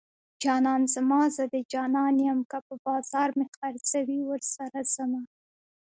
جانان زما زه د جانان يم که په بازار مې خرڅوي ورسره ځمه